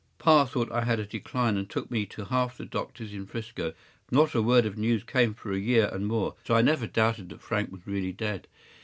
Pa thought I had a decline, and took me to half the doctors in ’Frisco. Not a word of news came for a year and more, so that I never doubted that Frank was really dead.